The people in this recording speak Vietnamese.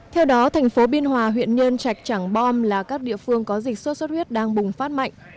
theo đó thành phố biên hòa huyện nhơn trạch bom là các địa phương có dịch sốt xuất huyết đang bùng phát mạnh